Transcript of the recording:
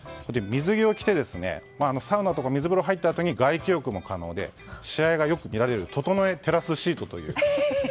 水着を着てサウナとか水風呂に入ったあとに外気浴も可能で試合がよくみられるととのえテラスシートという。